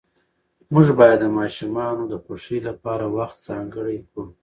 موږ باید د ماشومانو د خوښۍ لپاره وخت ځانګړی کړو